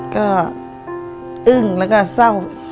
ก็อึ้งแล้วก็เศร้า